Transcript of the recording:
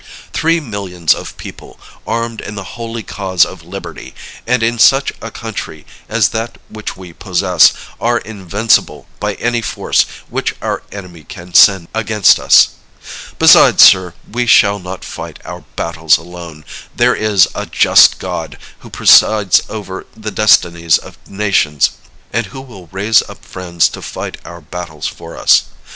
Three millions of people, armed in the holy cause of Liberty, and in such a country as that which we possess, are invincible by any force which our enemy can send against us. Besides, sir, we shall not fight our battles alone. There is a just God, who presides over the destinies of nations, and who will raise up friends to fight our battles for us.